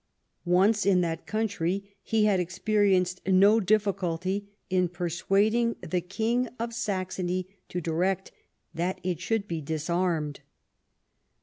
Once in that country he had experienced no difficulty in persuading the King of Saxony to direct that it should bo disarmed.